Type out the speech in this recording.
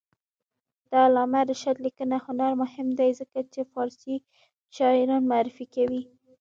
د علامه رشاد لیکنی هنر مهم دی ځکه چې فارسي شاعران معرفي کوي.